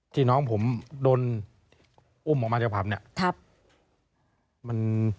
ที่น้องผมโดนอุ้มออกมาจากผับเนี่ย